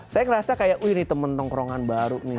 saya ngerasa kayak wih ini temen tongkrongan baru nih